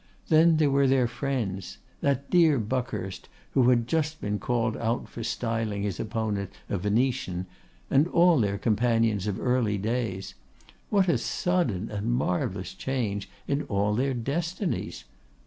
Then there were their friends; that dear Buckhurst, who had just been called out for styling his opponent a Venetian, and all their companions of early days. What a sudden and marvellous change in all their destinies!